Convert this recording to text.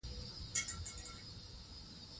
د پوهې ډیوې په هره سیمه کې روښانه کړئ.